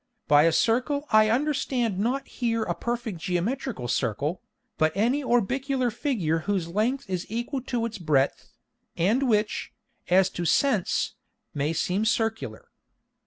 By a Circle I understand not here a perfect geometrical Circle, but any orbicular Figure whose length is equal to its breadth, and which, as to Sense, may seem circular.